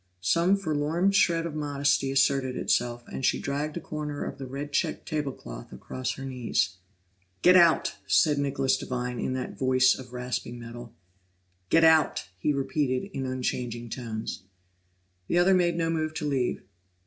Some forlorn shred of modesty asserted itself, and she dragged a corner of the red checked table cloth across her knees. "Get out!" said Nicholas Devine in that voice of rasping metal. "Get out!" he repeated in unchanging tones. The other made no move to leave.